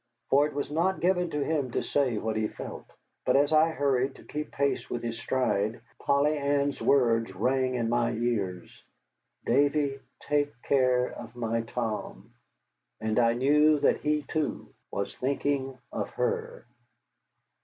For it was not given to him to say what he felt; but as I hurried to keep pace with his stride, Polly Ann's words rang in my ears, "Davy, take care of my Tom," and I knew that he, too, was thinking of her.